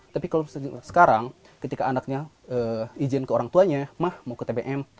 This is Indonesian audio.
tapi kalau sekarang ketika anaknya izin ke orang tuanya mah mau ke tbm